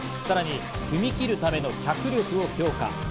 さらに踏み切るための脚力を強化。